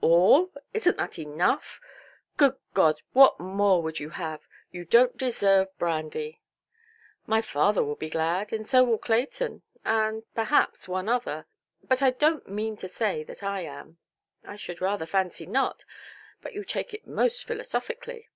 "All! Isnʼt that enough? Good God! What more would you have?—you donʼt deserve brandy". "My father will be glad, and so will Clayton, and—perhaps one other. But I donʼt mean to say that I am". "I should rather fancy not. But you take it most philosophically"!